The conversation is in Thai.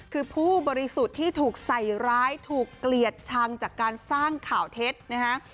คือผู้บริสุทธิ์ที่ถูกใส่ร้ายถูกเกลียดชังจากการสร้างข่าวเท็จนะฮะ